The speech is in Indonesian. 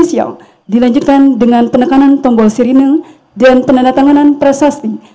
selanjutnya penanda tanganan presasti